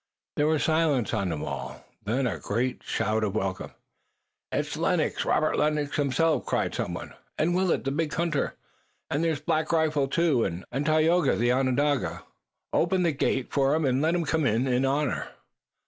There was silence on the wall, and then a great shout of welcome. "It's Lennox, Robert Lennox himself!" cried someone. "And Willet, the big hunter!" "And there's Black Rifle, too!" "And Tayoga, the Onondaga!" "Open the gate for 'em! Let 'em come in, in honor."